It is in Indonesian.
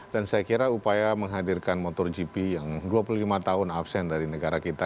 dan saya kira upaya menghadirkan motogp yang dua puluh lima tahun absen dari negara kita